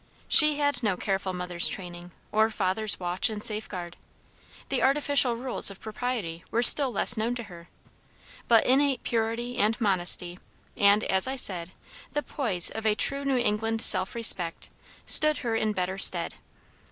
She had no careful mother's training, or father's watch and safeguard; the artificial rules of propriety were still less known to her; but innate purity and modesty, and, as I said, the poise of a true New England self respect, stood her in better stead.